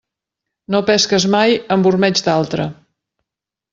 No pesques mai amb ormeig d'altre.